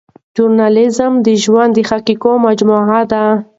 ژورنالیزم د ژوند د حقایقو مجموعه ده.